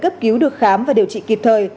cấp cứu được khám và điều trị kịp thời